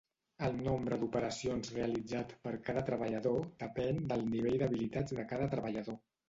El nombre d'operacions realitzat per cada treballador depèn del nivell d'habilitats de cada treballador.